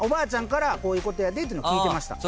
「こういうことやで」っていうのは聞いてました。